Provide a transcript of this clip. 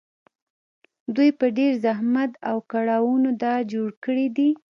دوی په ډېر زحمت او کړاوونو دا جوړ کړي دي